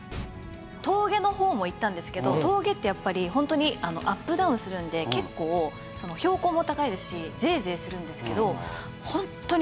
「峠の方も行ったんですけど峠ってやっぱりホントにアップダウンするので結構標高も高いですしぜえぜえするんですけど」